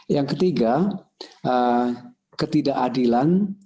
yang ketiga ketidakadilan